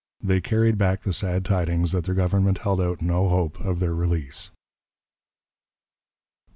They carried back the sad tidings that their Government held out no hope of their release.